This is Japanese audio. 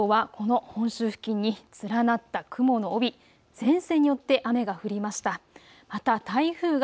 関東はこの本州付近に連なった雲の帯、前線によって雨が降りました。